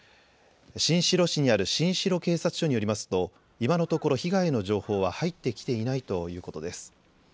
新城市にある新城警察署によりますと今のところ被害の情報は入ってきていないということです。